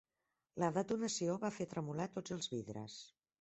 La detonació va fer tremolar tots els vidres.